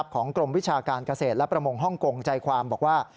ของกรมวิชาการเกษตรและประมงฮ่องกงใจความบอกว่า